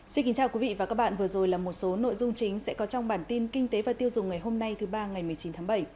xin kính chào quý vị và các bạn vừa rồi là một số nội dung chính sẽ có trong bản tin kinh tế và tiêu dùng ngày hôm nay thứ ba ngày một mươi chín tháng bảy